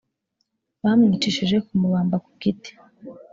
bamwicishije kumubamba ku giti